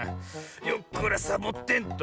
よっこらサボテンと。